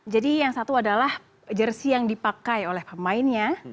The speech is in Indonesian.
jadi yang satu adalah jersi yang dipakai oleh pemainnya